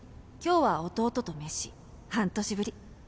今日は弟と飯半年ぶり。